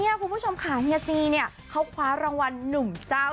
เนี่ยคุณผู้ชมขาเฮียซีเนี่ยเขาคว้ารางวัลหนุ่มเจ้าเสน่ห์